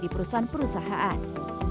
medilab pemeriksaan umum dan pemeriksaan khusus